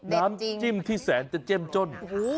น้ำจิ้มที่แสนจะเจ้มจ้น